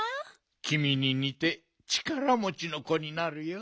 きみににてちからもちのこになるよ。